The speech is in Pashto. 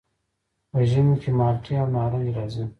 په ژمي کې مالټې او نارنج راځي.